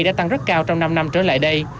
đã tăng rất cao trong năm năm trở lại đây